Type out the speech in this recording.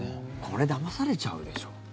これだまされちゃうでしょ。